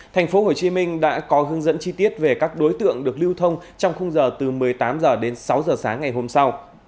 thành phố hồ chí minh đã có hướng dẫn chi tiết về các đối tượng được lưu thông trong khung giờ từ một mươi tám h đến sáu h sáng ngày hôm sau